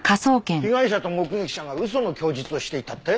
被害者と目撃者が嘘の供述をしていたって？